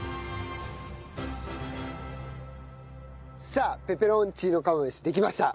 さあペペロンチーノ釜飯できました。